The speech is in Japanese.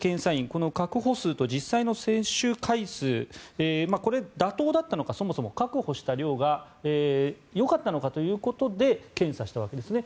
この確保数と実際の接種回数これ、妥当だったのかそもそも確保した量がよかったのかということで検査したわけですね。